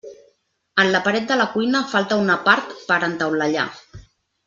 En la paret de la cuina falta una part per entaulellar.